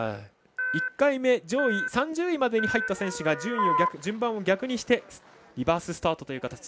１回目、上位３０位までに入った選手が順番を逆にしてリバーススタートという形。